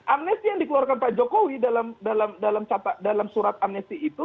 amnesti yang dikeluarkan pak jokowi dalam surat amnesti itu